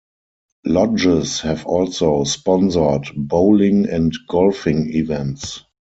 Lodges have also sponsored bowling and golfing events.